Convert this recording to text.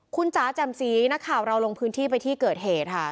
คุณจ๋าแจ่มสีนักข่าวเราลงพื้นที่ไปที่เกิดเหตุค่ะ